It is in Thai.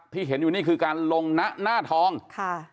ที่เห็นอยู่นี่คือการลงนะหน้าทองค่ะ